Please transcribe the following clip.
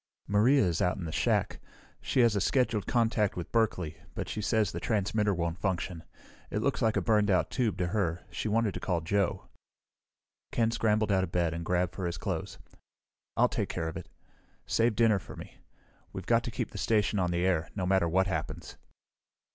"Maria is out in the shack. She has a scheduled contact with Berkeley, but she says the transmitter won't function. It looks like a burned out tube to her. She wanted to call Joe." Ken scrambled out of bed and grabbed for his clothes. "I'll take care of it. Save dinner for me. We've got to keep the station on the air, no matter what happens!"